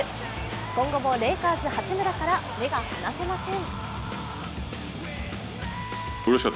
今後もレイカーズ・八村から目が離せません。